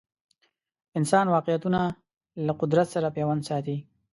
انسان واقعیتونه له قدرت سره پیوند ساتي